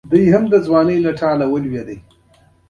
د هر قسمت نمره بندي د ګرینویچ له نصف النهار پیلیږي